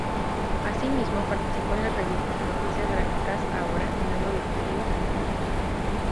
Asimismo participó en las revistas "Noticias Gráficas", "Ahora" y "Mundo Deportivo", entre otras.